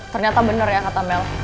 ternyata benar ya kata mel